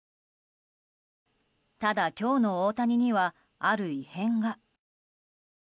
ただ、今日の大谷にはある異変が。